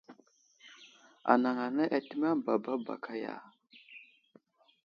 Anaŋ anay atəmeŋ baba baka ya ?